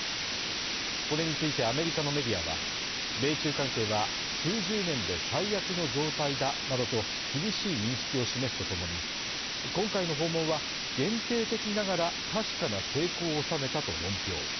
これについてアメリカのメディアは、米中関係は数十年で最悪の状態だなどと厳しい認識を示すとともに、今回の訪問は限定的ながら確かな成功を収めたと論評。